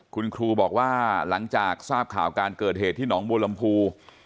คุณครูบอกว่าหลังจากทราบข่าวการเกิดเหตุที่หนองบัวลำพู